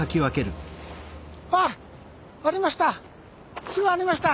あっありました！